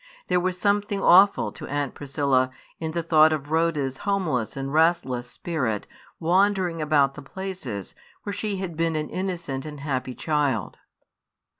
There was something awful to Aunt Priscilla in the thought of Rhoda's homeless and restless spirit wandering about the places where she had been an innocent and a happy child.